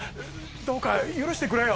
どうか許してくれよ。